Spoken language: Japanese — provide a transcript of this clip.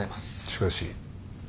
しかし。